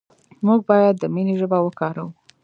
موږ باید د مینې ژبه وکاروو.